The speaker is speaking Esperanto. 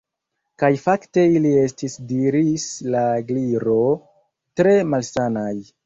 "Kaj fakte ili estis " diris la Gliro "tre malsanaj."